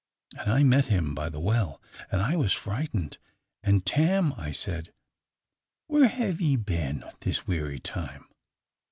And I met him by the well, and I was frightened; and 'Tam,' I said, 'where have ye been this weary time?